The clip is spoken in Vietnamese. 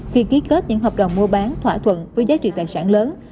khi ký kết những hợp đồng mua bán thỏa thuận với giá trị tài sản lớn